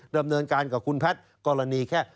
ดำเนินการกับคุณแพทย์กรณีแค่